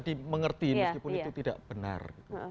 dimengerti meskipun itu tidak benar